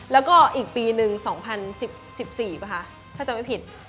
แล้วก็อีกปีนึง๒๐๑๔ป่ะคะถ้าจำไม่ผิด